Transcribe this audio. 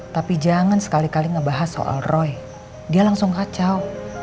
tapi jangan sekali kali ngebahas soal roy dia langsung kacau